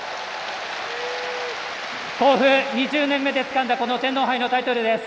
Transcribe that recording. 甲府２０年目でつかんだ天皇杯のタイトルです。